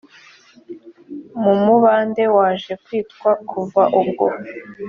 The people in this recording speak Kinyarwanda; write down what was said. mu mubande waje kwitwa kuva ubwo